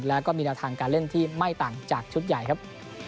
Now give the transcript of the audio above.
แล้วก็มีแนวทางการเล่นที่ไม่ต่างจากชุดใหญ่ครับ